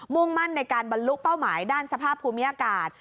่งมั่นในการบรรลุเป้าหมายด้านสภาพภูมิอากาศ